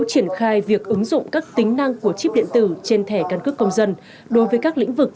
triển khai việc ứng dụng các tính năng của chip điện tử trên thẻ căn cước công dân đối với các lĩnh vực